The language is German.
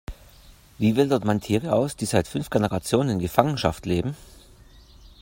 Wie wildert man Tiere aus, die seit fünf Generationen in Gefangenschaft leben?